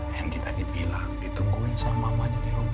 randy tadi bilang ditungguin sama mamanya di rumah